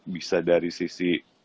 bisa dari sisi